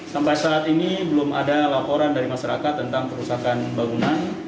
sampai saat ini belum ada laporan dari masyarakat tentang kerusakan bangunan